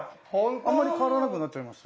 あんまり変わらなくなっちゃいました。